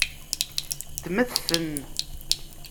Ddmet-ten.